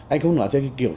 anh không nói theo cái kiểu